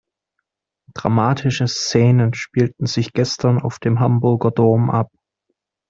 Dramatische Szenen spielten sich gestern auf dem Hamburger Dom ab.